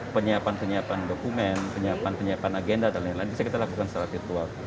penyiapan penyiapan dokumen penyiapan penyiapan agenda dan lain lain bisa kita lakukan secara virtual